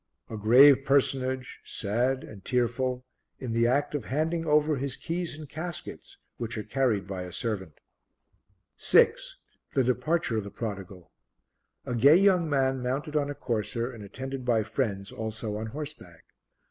A grave personage, sad and tearful, in the act of handing over his keys and caskets which are carried by a servant. 6. The Departure of the Prodigal. A gay young man mounted on a courser and attended by friends also on horseback.